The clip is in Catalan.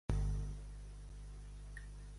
Ser un fa i calles.